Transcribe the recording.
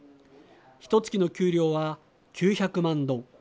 ひとつきの給料は９００万ドン。